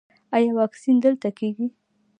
ایا واکسین دلته کیږي؟